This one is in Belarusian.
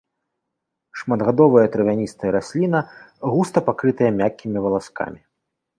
Шматгадовая травяністая расліна, густа пакрытая мяккімі валаскамі.